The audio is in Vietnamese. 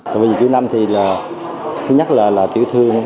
vào dịp cuối năm thứ nhất là tiểu thương